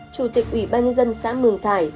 chủ tịch ủy ban nhân dân xã mường thải